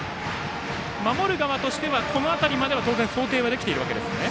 守る側としては、この辺りは想定できているわけですね。